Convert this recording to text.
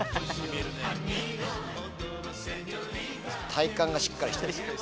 体幹がしっかりしてるから。